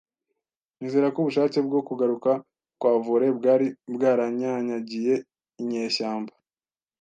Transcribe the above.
Nizera ko ubushake bwo kugaruka kwa volley bwari bwaranyanyagiye inyeshyamba,